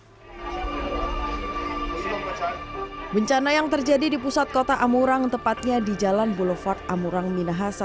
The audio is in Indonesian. hai bencana yang terjadi di pusat kota amurang tepatnya di jalan boulevard amurang minahasa